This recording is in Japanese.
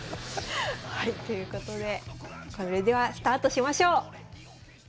はいということでそれではスタートしましょう。